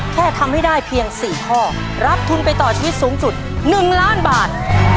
แค่ทำให้ได้เพียง๔ข้อรับทุนไปต่อชีวิตสูงสุด๑ล้านบาท